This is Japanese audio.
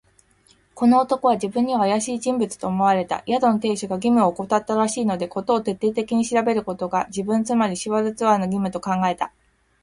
この男は自分にはあやしい人物と思われた。宿の亭主が義務をおこたったらしいので、事を徹底的に調べることが、自分、つまりシュワルツァーの義務と考えた。